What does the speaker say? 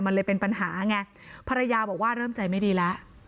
มันเลยเป็นปัญหาไงภรรยาบอกว่าเริ่มใจไม่ดีแล้ว